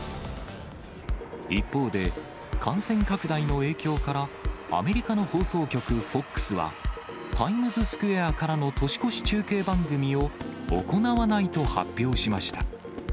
一方で、感染拡大の影響から、アメリカの放送局、ＦＯＸは、タイムズスクエアからの年越し中継番組を行わないと発表しました。